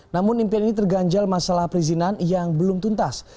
namun impian ini terganjal masalah perizinan yang belum tuntas